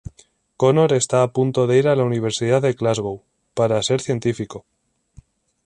Conor está a punto de ir a la Universidad de Glasgow para ser científico.